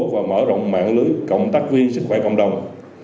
và mở rộng mạng lưới cộng tác viên sức khỏe cộng đồng